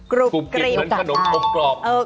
กรุบกรีบเหมือนขนมครบกรอบ